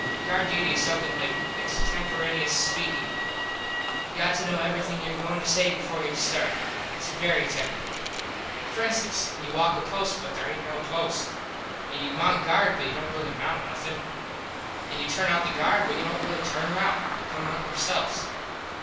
Guard duty is something like extemperaneus speakin. You got to know everything your goin to say before you start. Its very tecknickle. For instance you walk a post but there aint no post. An you mount guard but you dont really mount nothin. An you turn out the guard but you dont really turn em out. They come out them selves.